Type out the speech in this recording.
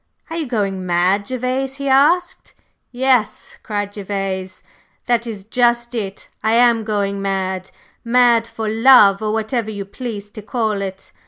"Are you going mad, Gervase?" he asked. "Yes!" cried Gervase, "that is just it, I am going mad, mad for love, or whatever you please to call it!